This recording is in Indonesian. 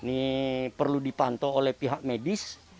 ini perlu dipantau oleh pihak medis